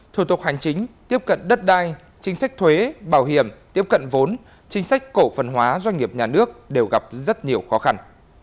thủ tục hành chính tiếp cận đất đai chính sách thuế bảo hiểm tiếp cận vốn chính sách cổ phần hóa doanh nghiệp nhà nước đều gặp rất nhiều khó khăn